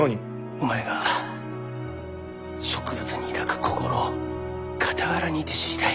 お前が植物に抱く心を傍らにいて知りたい。